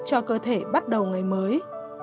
cho cơ thể bắt đầu ngày mới